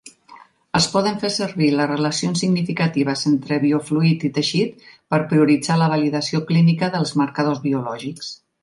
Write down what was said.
Es poden fer servir les relacions significatives entre biofluid i teixit per prioritzar la validació clínica dels marcadors biològics.